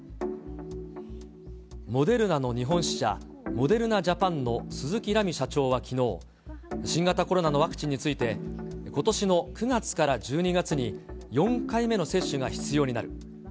モデルナの日本支社、モデルナ・ジャパンの鈴木蘭美社長はきのう、新型コロナのワクチンについて、ことしの９月から１２月に、４回目の接種が必要になる。